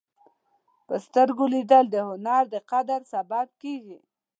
په سترګو لیدل د هنر د قدر سبب کېږي